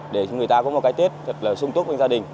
để cho người ta có một cái tết thật là sung túc với gia đình